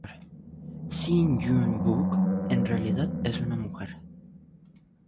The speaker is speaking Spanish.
Shin Yun Bok es en realidad una mujer.